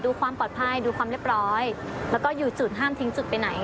ดูความปลอดภัยดูความเรียบร้อยแล้วก็อยู่จุดห้ามทิ้งจุดไปไหน